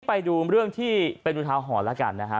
ไปดูเรื่องที่เป็นอุทาหรณ์แล้วกันนะฮะ